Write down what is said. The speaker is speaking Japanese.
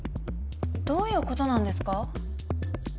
どういうことなんですか？